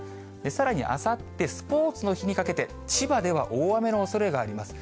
さらに、あさってスポーツの日にかけて、千葉では大雨のおそれがあります。